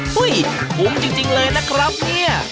คุ้มจริงเลยนะครับเนี่ย